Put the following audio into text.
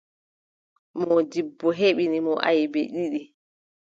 Moodibbo heɓini mo aybe ɗiɗi.